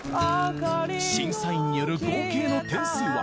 審査員による合計の点数は。